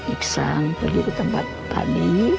iksan pergi ke tempat kami